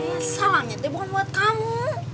eh salamnya tuh bukan buat kamu